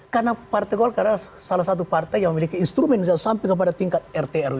karena partai golkar adalah salah satu partai yang memiliki instrumen yang sampai kepada tingkat rtrw